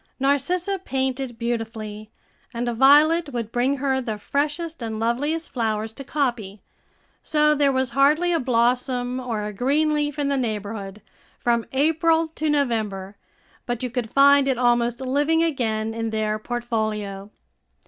Narcissa painted beautifully, and Violet would bring her the freshest and loveliest flowers to copy; so there was hardly a blossom or a green leaf in the neighborhood, from April to November, but you could find it almost living again in their portfolio.